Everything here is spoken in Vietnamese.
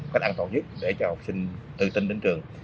cách an toàn nhất để cho học sinh tự tin đến trường